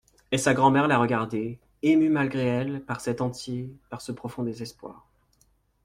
Et sa grand'mère la regardait, émue malgré elle par cet entier, par ce profond désespoir.